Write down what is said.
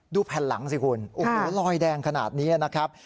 แผ่นหลังสิคุณโอ้โหลอยแดงขนาดนี้นะครับ